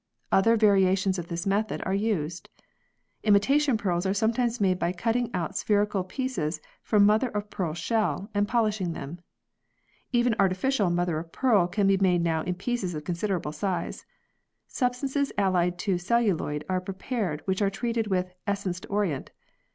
Other variations of this method are used. Imitation pearls are sometimes made by cutting out spherical pieces from mother of pearl shell and polishing them. Even artificial mother of pearl can be made now in pieces of considerable size. Substances allied to celluloid are prepared which are treated with "essence d'orient."